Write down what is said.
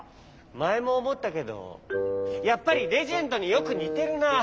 まえもおもったけどやっぱりレジェンドによくにてるなあ。